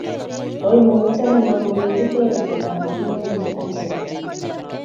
Koimuktaano kuwejikei komakiyanji achek